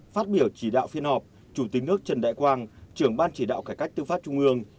phát biểu chỉ đạo phiên họp chủ tịch nước trần đại quang trưởng ban chỉ đạo cải cách tư pháp trung ương